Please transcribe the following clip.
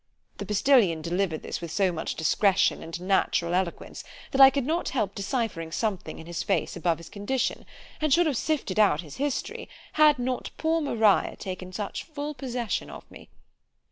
The postillion delivered this with so much discretion and natural eloquence, that I could not help decyphering something in his face above his condition, and should have sifted out his history, had not poor Maria taken such full possession of me.